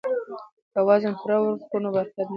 که وزن پوره ورکړو نو برکت نه ځي.